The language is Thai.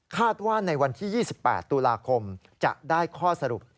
ว่าในวันที่๒๘ตุลาคมจะได้ข้อสรุป